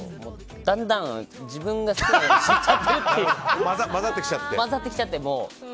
だんだん自分が好きなようにしたくなって混ざってきちゃって。